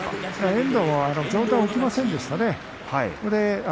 遠藤上体が起きませんでしたね。